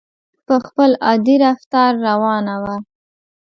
په خپل عادي رفتار روانه وه.